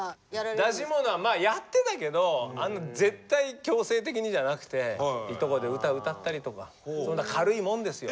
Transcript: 出し物はまあやってたけどあんな絶対強制的にじゃなくていとこで歌歌ったりとかそんな軽いもんですよ。